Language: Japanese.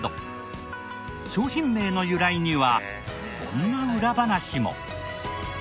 商品名の由来にはこんな裏話も。